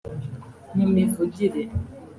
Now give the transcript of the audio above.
mu mivugire